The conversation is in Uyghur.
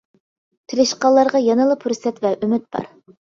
تىرىشقانلارغا يەنىلا پۇرسەت ۋە ئۈمىد بار.